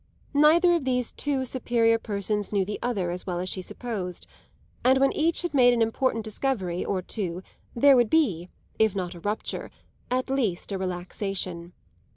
Neither of these two superior persons knew the other as well as she supposed, and when each had made an important discovery or two there would be, if not a rupture, at least a relaxation.